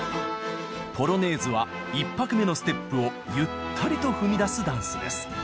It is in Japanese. ポロネーズは１拍目のステップをゆったりと踏みだすダンスです。